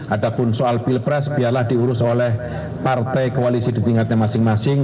ada pun soal pilpres biarlah diurus oleh partai koalisi di tingkatnya masing masing